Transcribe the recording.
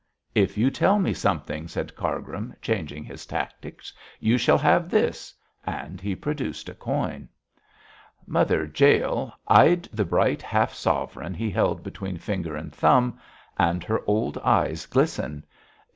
'If you tell me something,' said Cargrim, changing his tactics, 'you shall have this,' and he produced a coin. Mother Jael eyed the bright half sovereign he held between finger and thumb, and her old eyes glistened.